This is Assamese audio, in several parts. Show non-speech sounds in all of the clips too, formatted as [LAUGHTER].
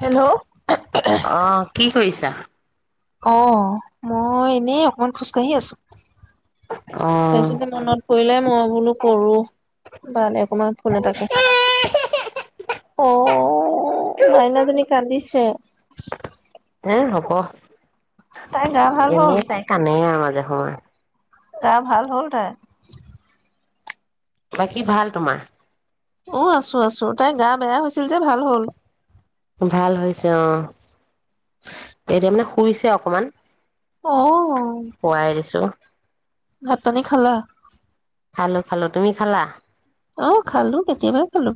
হেল্ল' অহউ অ', কি কৰিছা অ মই এনেই অকমান খোজ কাঢ়ি আছো। আহ কৰিলে মই বোলো কৰো বাে অকণমান ফোন এ থাকে আহ মাইনাাজী কান্দিছে। এে হ'ব তাই গা ভাল হ'ল এনেই তাই কণেই আমাজ হয়। গা ভাল হ'ল তাৰ? বাকী ভাল তোমাৰ? অ আছো আছো তাই গা বেয়া হৈছিল যে ভাল হ'ল ভাল হৈছে অ এতিয়া মানে শুইছে অকমান। শুৱাই দিছো। অ পানী খালা? খালো খালো তুমি খালা? অ খালোঁ, কেতিয়াবাই খালোঁ।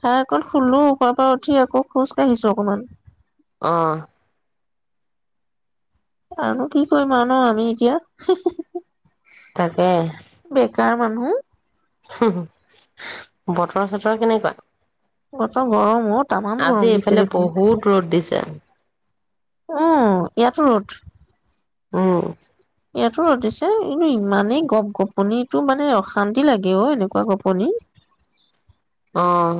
খাই অকন শুলোঁ শুৱাৰ পৰ পৰা উঠি আকৌ খোজ কাঢ়িছো অকমান অহ। আৰুনো কি কৰিম আৰু ন, আমি এতিয়া! তাকে উম বতৰ চতৰ কেনেকুৱা? অত গৰম অ তটামান আজি গৰম দিছে এইফালে দেখোন বহুত ৰ'দ দিছে, উম ইয়াতো ৰ'দ আহ ইয়াতো সধছে কিু ইমানেই গপ গপনিতটো মানে অশান্তি লাগে অ এনেকুৱা গোপনি অ'হ।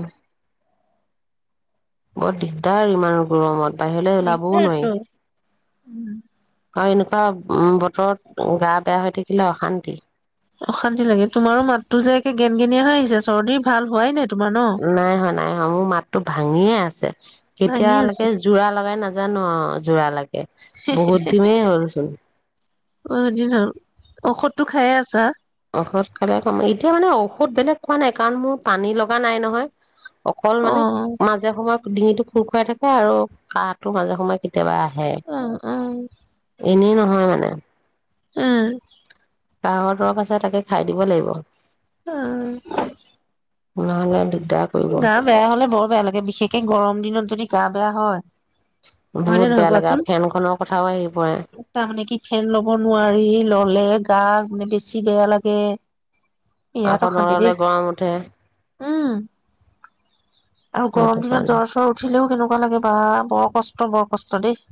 বৰ দিগদাৰ ইমান গৰমত বাহিৰলৈ ওলাবও নোৱাৰি উম আৰু এনেকুৱা বতৰত গা বেয়া হৈ থাকিলে অশান্তি অশান্তি লাগে তোমাৰো মাতো যে একে গেনগেনীয়া আহ হৈ আহিছে চৰ্দি ভাল হোৱাই নাই? তোমাৰ ন? নাই হোৱা নাই হোৱা মোৰ মাতো ভাঙিয়ে আছে। ভাঙি আছে কেতিয়ালৈকে যোৰা লগাই নায জানো অ যোৰা লাগে বহুত দিনেই হ'লচোন অ দিন হ'ল, ঔষধটো খাইে আছা? মস খালে ক এতিয়া মানে ঔষধ বেলেগ খোৱা নাই কাৰণ মোৰ পানী লগা নাই নহয় অকল অ মানে, মাজে সময়ে। ডিঙিটো খুৰ খুৰাই থাকে আৰু কাহটো মাজে সমোয়ে অ অ'হ এনেই নহয় মানে উম কাহৰ দৰৱ আছে, তাকে খাই দিব লাগিব অ'! [UNINTELLIGIBLE] গা বেয়া হলে বৰ বেয়া লাগে, বিশেষকে গৰম দিনত যদি গা বেয়া হয় হয়নে বহুত নহয় বেয়া লাগে কোৱাচোন? ফেনখনৰ কথাও আহি পৰে তাৰ মানে কি ফেন ল'ব নোৱাৰি ললে গা বেছি বেয়া লাগে বিৰাট আক অশান্তি দেই নৰৱেগৰম উঠে উম আৰু সেইটো গৰম দিনত কাৰণে জ্বৰ চ্বৰ উঠিলেও কেনেকুৱা লাগে বা বৰ কষ্ট বৰ কষ্ট দেই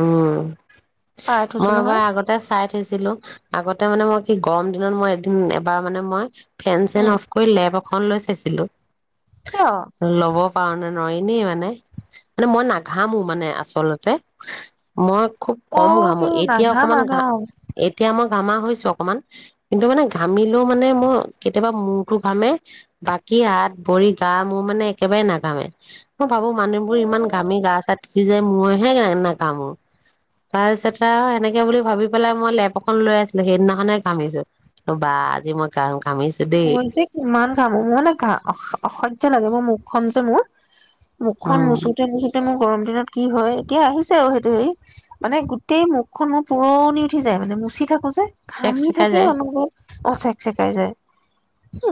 উম পাই মই থৈছো নহয় এবাৰ আগতে চাই থৈছিলো আগতে মানে মই কি গৰম দিনত মই এদিন এবাৰ মানে মই ফেন এ চেন অফ কৰি লেব খন লৈ চাইছিলোঁ কিয় ল'ব পাৰো ন নোৱাৰি দে মানে, মই নাঘামো মানে আচলতে মই খুব অ কম ঘামো তোৰ এতিয়া নাঘামা অকমান ন ঘা এতিয়া ম ঘামা হৈছো অকমান কিন্তু মানে ঘামিলেও মানে মোৰ কেতিয়াবা মূৰতটো ঘামে বাকী হাত ভৰি গা মোৰ মানে একেবাৰে নাঘামে মই ভাবো মানুহবোৰ ইমান ঘামি গা চা তি এই যে মইহে গা নাই ঘামো তাৰ পিছত আৰু এনেকে বুলি ভাবি পেলাই মই লেপ এখন লৈ আছিলো সেইদিনাখননেহ ঘামিছো বা আজি মই ঘা ঘামিছো দেই মই যে কিমান ঘামো, মোৰ মানে অসহ্য লাগে মই মোক খন যে মোৰ মুখ খন মুচুতে মুচুতে মোৰ গৰম দিনত কি হয় এতিয়া আহিছে আৰু সেইটো হেৰি মানে গোটেই মুখখন মোৰ পুৰণি উঠি যায় মানে মুচি থাকো যে চেক ঘামি চেকাই থাকিয় যায় আমোকে অচেক চেকাই যায়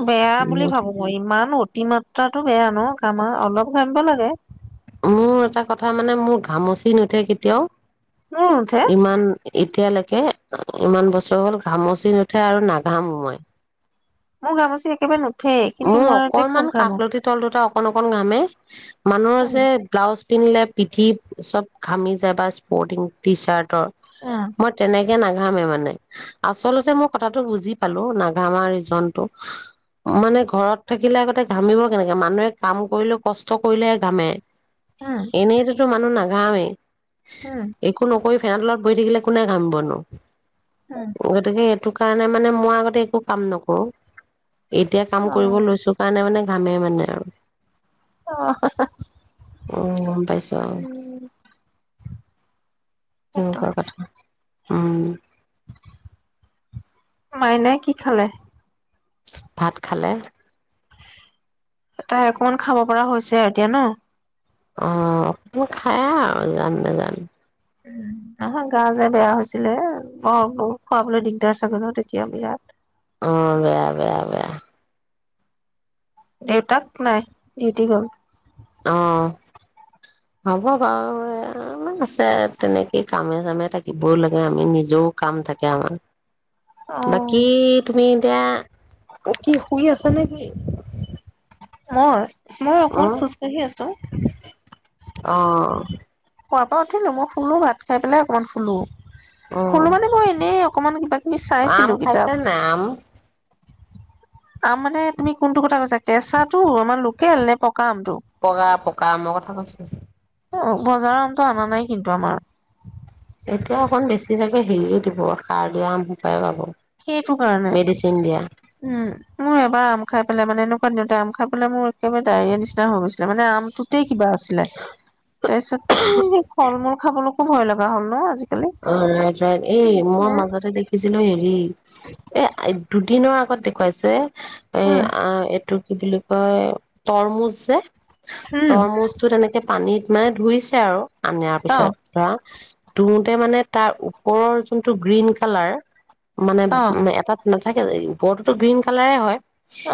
বেয়া বুলি ভাবো মই ই ইমান অতি মাত্ৰাটো বেয়া ন ঘামাৰ অলপ ঘামিব লাগে মোৰ এটা কথা মানে মোৰ ঘামচি নুঠে কেতিয়াও মোৰ নুঠে ইমান এতিয়ালৈকে ইমান বছৰ হ'ল ঘামচি নুঠে আৰু নাঘামো মই মোৰ গামুচি একেবাৰে নু মোৰ অকনমান কাষলতি তল দুটা অ কণ অকন ঘামে মানুহৰ উম, যে ব্লাউজ পিন্ধিলে পিঠি চব ঘামি যায় বা স্পৰ্টিং টি চাৰ্ট উম, মই তেনেকে নাঘামে মানে আচলতে মই কথাটো বুজি পালো নাঘামাৰ ৰিজনটো, মানে ঘৰত থাকিলে আগতে ঘামিব কেনেকে মানুহে কাম কৰিলেও কষ্ট কৰিলেহে ঘামে উম, এনেইটোতো মানুহ না গাঁৱে একো নকৈ ফেন তলত বহি থাকিলে কোনে ঘাম বনো উম, গতিকে এইটো কাৰণে মানে মই আগতে একো কাম নকৰো কাম অ', কৰিব লৈছো কাৰণে মানে ঘামে মানে আৰু আহ হা হা অ পাইচা সেইটো [UNINTELLIGIBLE] কথা অ মাইনাই কি খালে ভাত খালে তাই অকমান খাব পৰা হৈছে এতিয়া ন অ খাই আৰু জান নেজান গা যে বেয়া হৈছিলে বৰ খুৱাবলৈ দিগদাৰ চাগৈ তেতিয়া বিৰাট অ বেয়া বেয়া বেয়া দেউতাক নাই দিউটি গল অঁ হ'ব বাৰু আছে তেনেকেই কামে চামে থাকিবওঁ লাগে আমি নিজেও কাম থাকে আমাৰ অ', বাকী তুমি এতিয়া কি শুই আছ নে কি মৰ মই অকমান উম, খোজকাঢ়ি আছো অ শুৱাৰপৰা উঠিলো মুখ ধোলো ভাত খাই পেলাই অকনমান শুলো অ', হ'লো মানে মই এনেই অকমান কিবা কিবি আম চাইছিলো কিতাপ। খাইছে নাই আম আম মানে তুমি কোনটো কথা কৈছা কেঁচাটো আমাৰ লোকেল নে পকা আমটো পকা পকা মই কথা কৈছো বজাৰৰ আমটো অনা নাই কিন্তু আমাৰ এতিয়া অকণ বেছি জাগে হেৰিয়ে দিব সাৰ দিয়া আম সোপাই পাব সেইটো কাৰণে মেডিচিন দিয়া উম মোৰ এবাৰ আম খাই পেলাই মানে এনেকুৱা আম খাবলৈ মোৰ একেবাৰে ডায়েৰীয়া নিচিনা হৈ গৈছিলে মানে আমটোতেই কিবা আছিলে তাৰপিছত [UNINTELLIGIBLE] ফল মূল খাবলৈ খুব ভয় লগা হ'ল ন আজি অ ৰাইট ৰাইট এই মই মাজতে দেখিছিলো হেৰি এ দুদিনৰ আ কত দেখুৱাইছে এ উম, আ এইটো কি বুলি কয় তৰমুজ যে তৰমুজটো তেনেকে পানীত কিছুমানে ধুইছে আৰু আৰুনাৰ অ', পিছত তোৰ মানে তাৰ ওপৰৰ যোনটো গ্ৰীণ কালাৰ মানে অ', এটা থাকে ওপৰটোতো গ্ৰীণ কালাৰে হয়।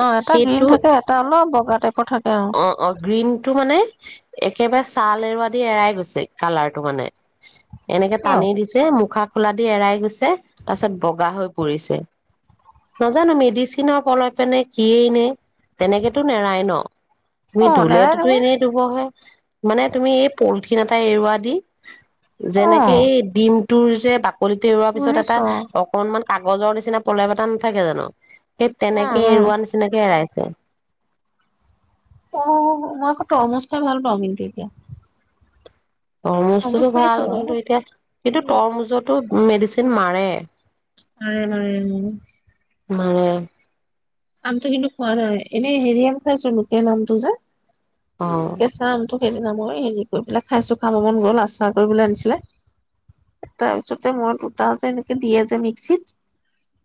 অ এটা গ্ৰীণ সেইটো থাকে এটা অলপ ত ক থাকে আৰু গ্ৰীণ টো মানে একেবাৰে ছাল এৰুৱা দি এৰাই গৈছে কালাৰটো মানে এনেকে কিয় টানি দিছে মুখাক খোলা দি এৰাই গৈছে তাৰপিছত বগা হৈ পৰিছে নাজানো মেডিচিনৰ পলপেনে কিয়েই নে তেনেকেতো নেৰাই ন তুমি অ', নেৰাই ধুলোতো নহয় এনেই ধুব হয়ে মানে তুমি এই পলটি ক্ষণতাই এৰুৱা দি যেনেকে অ', এই ডিম তোৰ যে লিৰুাৰ পিছত এটা বুজিছো অকণমান কাগজৰ নিচিনা প্ৰলেপ এটা নাথাকে জানো সেই অ', তেনেকে অ', এৰুৱা নিচিনাকে এৰাইছে আছে অ মই আকৌ তৰমজ খাই ভাল পাাম কিন্তু এতিয়া মগজ তৰমুজটোতো খাইছো ভাল বাৰু কিন্তু এতিয়া কিন্তু তৰমুজত টো মেডিচিন মাৰে হয়মাৰে মানে আমটো কিন্তু কৰাোৱা নাই এনেই হেৰিম খাই চ লোকেল নাম ত যে অ এচামটো সেইদিনা মই হেৰি কৰি পেলাই খাইছো খাব মন গল আচাৰ কৰিবলৈ আনিছিলে তাৰ পিছতে মই দুটা যে এনেকে দিয়ে যে মিক্সিত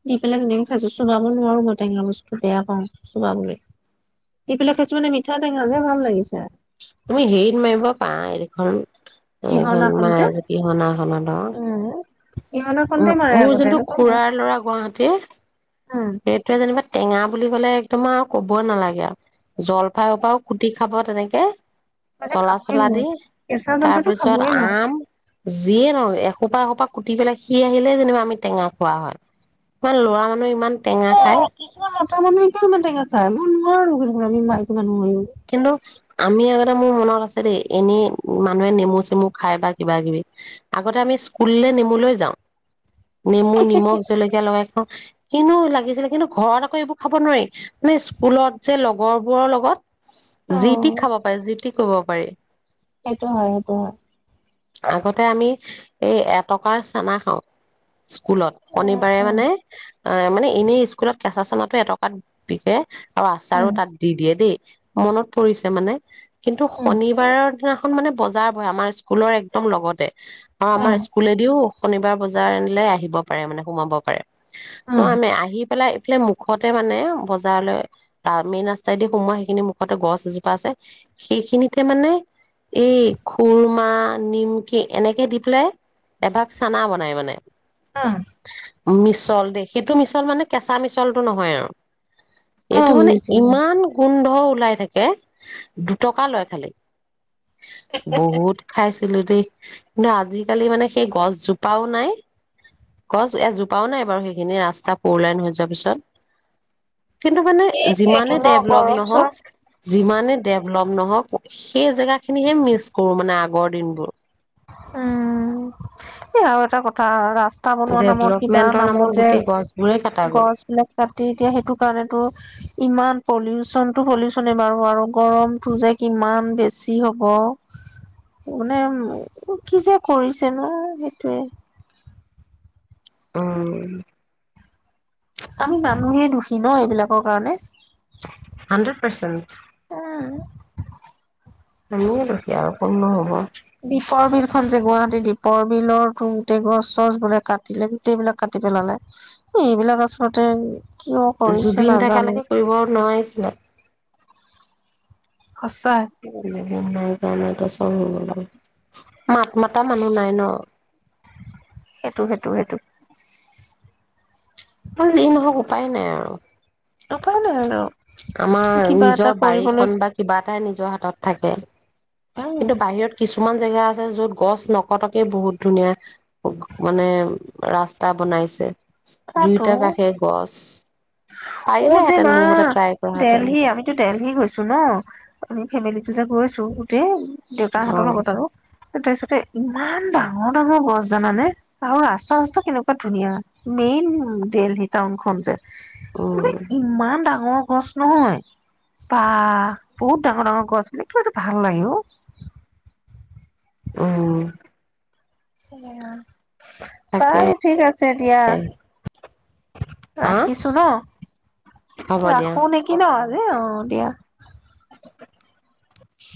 দি পেলাই সনেে খাইছো চুঙাব নোৱাৰো মই টেঙা বস্তু বেয়া পাও চবাবলৈ স পিলাক খাইছো মানে মিঠা টেঙা যেে ভাল লাগিছে তুমি সেই মাৰিব পাই এইখন পিহনাখন যে মজ কিহনাখননা উম ধৰ পিহনাখনতে মাৰে উ মোৰ আগতে যোনটো এনেকুৱা মই খুৰাৰ ল'ৰা গুৱাহাটীৰ উম সেইটোৱে যেনিবা টেঙা বুলি ক'লে একদম আৰু কবই নালাগে আৰু জলফাইৰ পৰাও কুটি খাব তেনেকে মই যে চলা খাবই চলা দি নোৱাৰো কেঁচা জলফাইটো খাবই তাৰপিছত নোৱাৰো আম যিয়ে ৰং সোপা এসোপা কুটি পেলাই সি আহিলে যেনিবা আমি টেঙা খোৱা হয় ইমান ল'ৰা মানুহ ইমান টেঙা খায় ত মানে কিমানে খাইই নোৱাৰো কে আমি মাই কিবা নোৱাৰিো কিন্তু আমি আৰু মোৰ মনত আছে দেই এনে মানুহে নেমু চেমু খায় বা কিবা কিবি আগতে আমি স্কুললৈ নেমুলৈৈ যাওঁ নেমু নিমখ জলকীয়া লগাই কিনো লাগিছিলে কিন্তু ঘৰত আকৌ এইবোৰ খাব নোৱাৰি মানে স্কুলত যে লগৰবোৰৰ লগত জি টিিক অ', খাব পাৰে যি টিক কব পাৰি সেইটো হয় সেইটো হয় আগতে আমি এই এটকাৰ চানা খাওঁ স্কুলত শনিবাৰে মানে অ মানে এনেই স্কুলত কেঁচা চেচাটো এটকাত বিকে অ আচাৰো তাত দি দিয়ে দেই মনত পৰিছে মানে কিন্তু শনিবাৰৰ এখন মানে বজাৰ বয় আমাৰ স্কুলৰ একদম লগতে অ আমাৰ স্কুলে দিও শনিবাৰ বজাৰিললৈ আহিব পাৰে মানে সোমাব পাৰে ত আমি আহি পেলাই ফে মুখতে মানে বজাৰলৈ মেইন ৰাস্তাইদি সোমোৱা সেইখিনি মুখতে গছ এজোপা আছে সেইখিনিতে মানে এই খুৰ মাহ নিমকি এনেকে দি পেলাই এভাগ চানা বনাই মানে অ মিছল দেই সেইটো মিছল মানে কেঁচা মিছলটো নহয় আৰু অ এইটো মানে বুজিছো ইমান গোন্ধ ওলাই থাকে দুটকা লয় খালি বহুত খাইছিলো দেই কিন্তু আজিকালি মানে সেই গছজোপাও নাই গছ এ জোপাও নাই বাৰু সেইখিনি ৰাস্তা পুৰলাইন হৈ যোৱাৰ পিছত কিন্তু মানে এইটোৱেটো যিমানে ন ডেভলপ গৰম চৰম নহওক যিমানে ডেভলপ নহওক সেই জেগা খিনিহে মিচ কৰো মানে আগৰ দিনবোৰ উম এই আৰু এটা কথা ৰা ৰাস্তা বনোৱা নামত কিবা ডেভলপমেন্টৰ নামত যে গোটেই গছবোৰে কটা গ'ল গছ বিলাক কাটি এতিয়া সেইটো কাৰণেতো ইমান পলিউচনটো পলিউচনে বাৰু আৰু গৰমটো যে কিমান বেছি হ'ব মানে ক'ত কি যে কৰিছে ন সেইটোৱে উ আমি মানুহেই দুখী ন এইবিলাকৰ কাৰণে হাণ্ড্ৰেড পাৰ্চেণ্ট আমিয়ে দুখিয়া আৰু কোন নো হ'ব দীপৰ বিল খন যে গুৱাহাটীৰ দ্বীপৰ বিলৰ তুংতেকৰ গছ চছ বোলে কাটিলে গোটেইবিলাক কাটি পেলালে এইবিলাক আচলতে কিয় কৰিছে জুবিন নাজানো থকালৈকে কৰিব নোৱাৰিছিলে সঁচা মই নাই কাৰণেই টো মাত মতা মানুহ নাই ন সেইটো সেইটো সেইটো বা যি নহওক উপায় নাই আৰু অ কনে আৰু আমাৰ কিবা এটা নিজৰ কৰিবলৈ বাৰীখন বা কিবা এটাই নি নিজৰ হাতত থাকে উম কিন্তু বাহিৰত কিছুমান কিছুমান জেগা আছে য'ত গছ নকটকে বহুত ধুনীয়া মানে ৰাস্তা বনাইছে দুইটা তাতো কাষে গছ অ যে পাৰিলেহেঁতেন মা মোৰ মতে ট্ৰাই কৰাহেঁতেন দেলহি আমিতো দেলহি গৈছো ন আমি ফেমেলি পূজা গৈছো গোটেই অ দেউতাহঁতৰ লগত আৰু তাৰপিছতে ইমান ডাঙৰ ডাঙৰ গছ জানানে আৰু ৰাস্তা চস্তা কেনেকুৱা ধুনীয়া মেইন দেলহি টাউন খন যে উম ইমান ডা ডঙৰ গছ নহয় বা বহুত ডাঙৰ ডাঙৰ গছ দেখিবলৈ ভাল লাগে অ আহ সেয়া তাকে বাই ঠিক আছে দিয়া হা ৰাখিছো ন হ'ব দিয়া ৰাখো নেকি ন আজি অ দিয়া [INAUDIBLE]